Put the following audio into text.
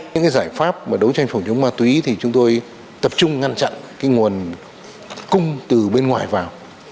những giải pháp đối tranh phổ chống ma túy thì chúng tôi tập trung ngăn chặn nguồn cung từ bên ngoài vào